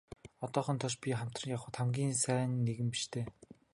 Одоохондоо ч би хамтран явахад хамгийн сайн нэгэн биш дээ.